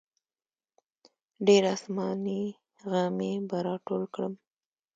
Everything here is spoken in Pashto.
ډېر اسماني غمي به راټول کړم.